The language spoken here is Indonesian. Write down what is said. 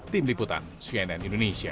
tim liputan cnn indonesia